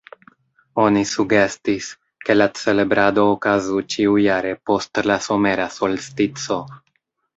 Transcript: Oni sugestis, ke la celebrado okazu ĉiujare post la somera solstico.